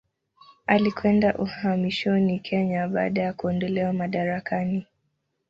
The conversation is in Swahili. Alikwenda uhamishoni Kenya baada ya kuondolewa madarakani.